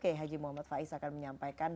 kiai haji muhammad faiz akan menyampaikan